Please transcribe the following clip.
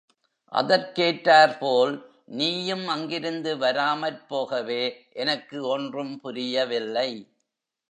அதற்கேற்றார்போல் நீயும் அங்கிருந்து வராமற்போகவே எனக்கு ஒன்றும் புரியவில்லை.